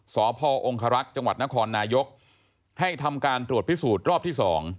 พองครักษ์จังหวัดนครนายกให้ทำการตรวจพิสูจน์รอบที่๒